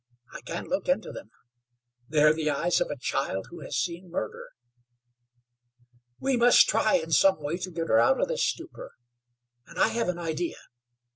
I can't look into them. They are the eyes of a child who has seen murder." "We must try in some way to get her out of this stupor, and I have an idea.